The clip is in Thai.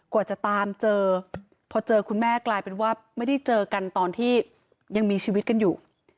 กว่าจะตามเจอพอเจอคุณแม่กลายเป็นว่าไม่ได้เจอกันตอนที่ยังมีชีวิตกันอยู่